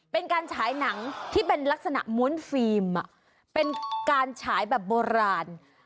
เป็นการฉายหนังที่เป็นลักษณะม้วนฟิล์มเป็นการฉายแบบโบราณ